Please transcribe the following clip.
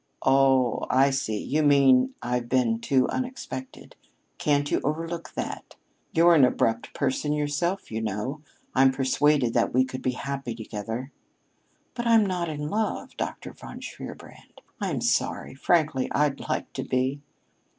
"Oh, I see. You mean I've been too unexpected. Can't you overlook that? You're an abrupt person yourself, you know. I'm persuaded that we could be happy together." "But I'm not in love, Dr. von Shierbrand. I'm sorry. Frankly, I'd like to be."